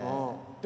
で